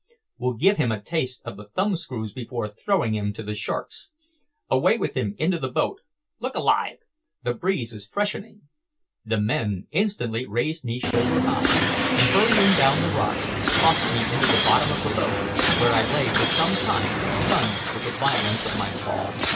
We'll give him a taste of the thumb screws before throwing him to the sharks. Away with him into the boat. Look alive! the breeze is freshening." The men instantly raised me shoulder high, and hurrying down the rocks, tossed me into the bottom of the boat, where I lay for some time stunned with the violence of my fall.